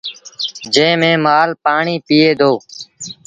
جݩهݩ ميݩ مآل پآڻيٚ پيٚئيٚ دو۔